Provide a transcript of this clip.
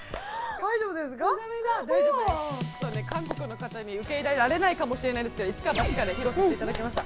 韓国の方に受け入れられないかもしれないんですけど一か八かで披露させていただきました。